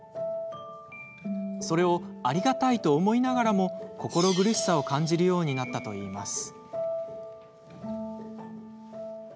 それをありがたいと思いながらも心苦しさを感じるようになったといいます。